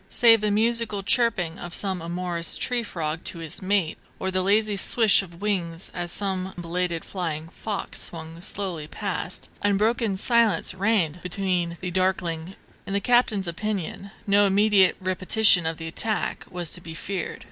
Save the musical chirping of some amorous tree frog to his mate, or the lazy swish of wings as some belated flying fox swung slowly past, unbroken silence reigned between the darkling cliffs. In the captain's opinion, no immediate repetition of the recent attack was to be feared.